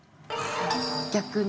逆に？